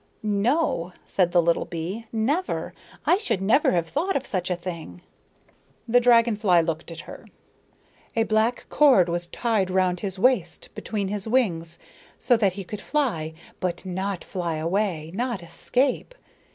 "No," said the little bee, "never. I should never have thought of such a thing." The dragon fly looked at her. "A black cord was tied round his waist between his wings, so that he could fly, but not fly away, not escape.